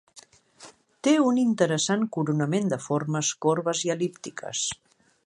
Té un interessant coronament de formes corbes i el·líptiques.